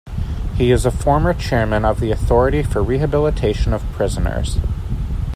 He is a former Chairman of the Authority for Rehabilitation of Prisoners.